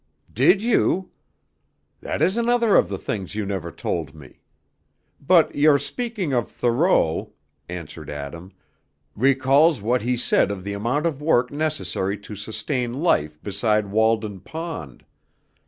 "Did you? That is another of the things you never told me; but your speaking of Thoreau," answered Adam, "recalls what he said of the amount of work necessary to sustain life beside Walden Pond.